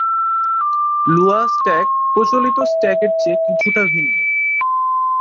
লুয়া stack প্রচলিত stack এর চেয়ে কিছুটা ভিন্ন।